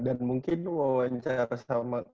dan mungkin wawancara sama